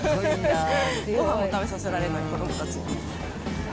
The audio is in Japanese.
ごはんも食べさせられない、子どもたちに。